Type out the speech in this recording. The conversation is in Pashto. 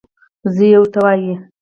زوی یې ورته وايي: